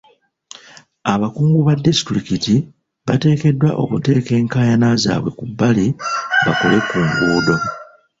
Abakungu ba disitulikiti bateekeddwa okuteeka enkaayana zaabwe ku bbali bakole ku nguudo.